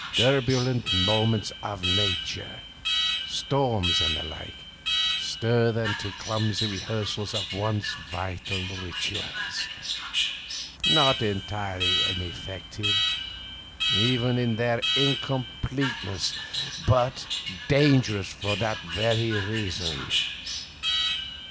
'Turbulent moments of nature, storms and the like, stir them to clumsy rehearsals of once vital rituals not entirely ineffective, even in their incompleteness, but dangerous for that very reason.